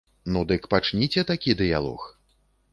Ну дык пачніце такі дыялог!